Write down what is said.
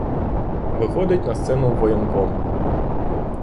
Виходить на сцену воєнком: